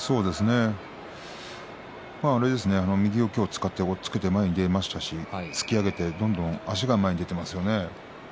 今日は右を使って押っつけて前に出ましたし突き上げてどんどん足が前に出ていますよね。